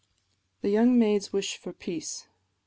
THE YOUNG MAID'S WISH FOR PEACE.